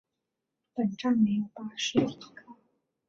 本站没有巴士停靠。